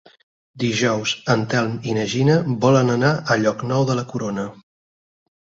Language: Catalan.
Dijous en Telm i na Gina volen anar a Llocnou de la Corona.